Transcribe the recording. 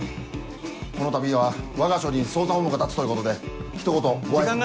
このたびはわが署に捜査本部が立つということでひと言ごあいさつ。